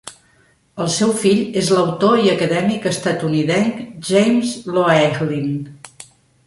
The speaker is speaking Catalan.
El seu fill és l'autor i acadèmic estatunidenc James Loehlin.